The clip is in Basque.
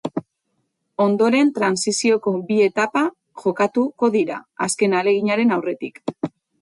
Ondoren trantsiziozko bi etapa jokatuko dira, azken ahaleginaren aurretik.